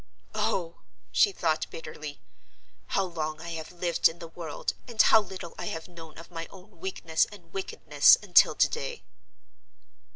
"Oh!" she thought, bitterly, "how long I have lived in the world, and how little I have known of my own weakness and wickedness until to day!"